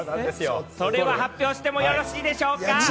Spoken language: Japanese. それは発表してもよろしいでしょうか？